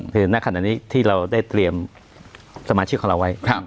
คือณขณะนี้ที่เราได้เตรียมสมาชิกของเราไว้